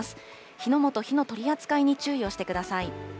火の元、火の取り扱いに注意をしてください。